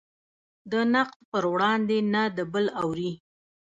د نقد پر وړاندې نه د بل اوري.